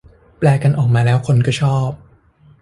แปลกันออกมาแล้วคนก็ชอบ